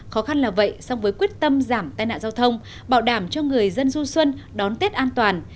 khó khăn là vậy song với quyết tâm giảm tai nạn giao thông bảo đảm cho người dân du xuân đón tết an toàn